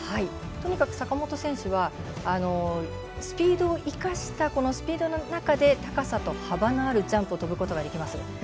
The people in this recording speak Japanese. とにかく坂本選手はスピードを生かしたこのスピードの中で高さと幅のあるジャンプを跳ぶことができます。